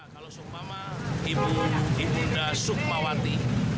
kalau sukmama ibu ibu nda sukmawati